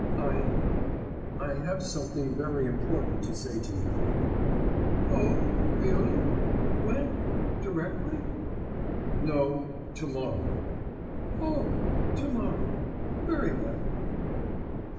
'I ... I have something very important to say to you.' 'Oh! really? when? directly?' 'No, to morrow.' 'Oh! to morrow. Very well.